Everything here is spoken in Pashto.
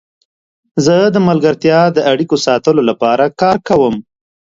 زه د ملګرتیا د اړیکو ساتلو لپاره کار کوم.